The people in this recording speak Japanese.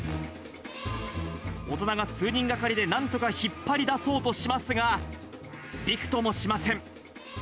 大人が数人がかりでなんとか引っ張り出そうとしますが、びくともしません。